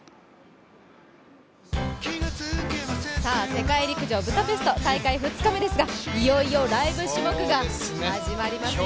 世界陸上ブダペスト、大会２日目ですがいよいよＬＩＶＥ種目が始まりますね。